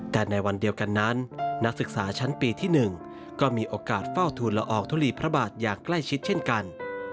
แต่ในวันเดียวกันนั้นนักศึกษาชั้นปีที่๑ก็มีโอกาสเฝ้าทูลละอองทุลีพระบาทอย่างใกล้ชิดเช่นกัน